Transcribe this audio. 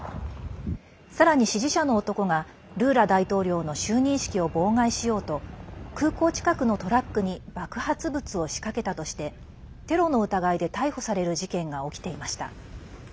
さらに支持者の男がルーラ大統領の就任式を妨害しようと空港近くのトラックに爆発物を仕掛けたとしてテロの疑いで逮捕される事件が起きていました。